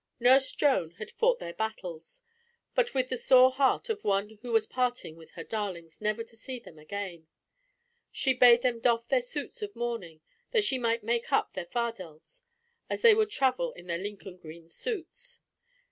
Nurse Joan had fought their battles, but with the sore heart of one who was parting with her darlings never to see them again. She bade them doff their suits of mourning that she might make up their fardels, as they would travel in their Lincoln green suits.